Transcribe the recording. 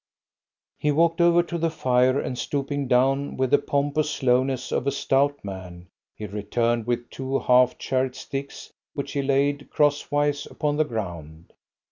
He walked over to the fire, and stooping down, with the pompous slowness of a stout man, he returned with two half charred sticks, which he laid cross wise upon the ground.